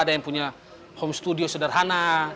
ada yang punya home studio sederhana